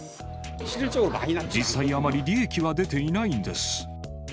実際あまり利益は出ていないんです。